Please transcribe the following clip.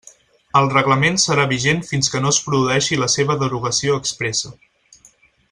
El Reglament serà vigent fins que no es produeixi la seva derogació expressa.